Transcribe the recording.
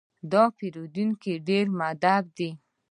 دا پیرودونکی ډېر مؤدب دی.